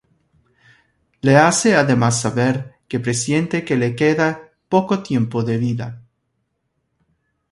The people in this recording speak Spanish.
Le hace, además saber, que presiente que le queda poco tiempo de vida.